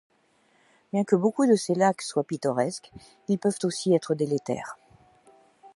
Bien que beaucoup de ces lacs soient pittoresques, ils peuvent aussi être délétères.